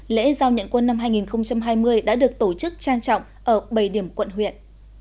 lễ giao nhận quân năm hai nghìn hai mươi đã được tổ chức trang trọng ở bảy điểm quận huyện